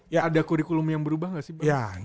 ya ada kurikulum yang berubah gak sih bang